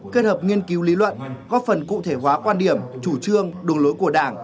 kết hợp nghiên cứu lý luận góp phần cụ thể hóa quan điểm chủ trương đường lối của đảng